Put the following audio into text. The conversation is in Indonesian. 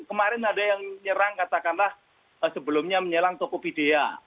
kemarin ada yang nyerang katakanlah sebelumnya menyerang tokopedia